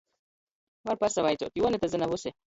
Var pasavaicuot — Juoni te zyna vysi.